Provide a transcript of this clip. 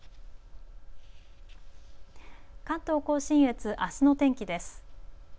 関東甲信越、あすの天気です。